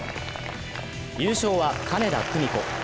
優勝は金田久美子。